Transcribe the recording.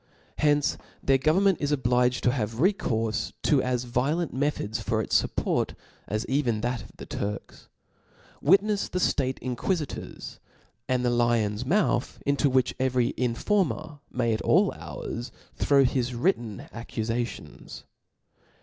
Hence their government is obliged to have recourfe to as violent methods for its fup« porty as even that of the Turks ; witnefs che fiate inquifitors *, and the lion*s mouth into which every informer may at all hours throw his written ac cufaiions.